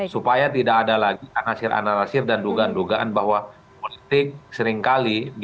supaya tidak ada lagi anasir anasir dan dugaan dugaan bahwa politik seringkali